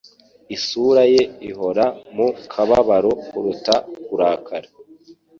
Isura ye ihora mu kababaro kuruta kurakara